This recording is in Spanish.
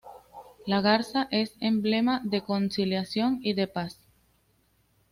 La garza es emblema de conciliación y de paz.